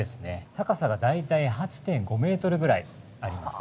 高さが大体８．５メートルぐらいあります。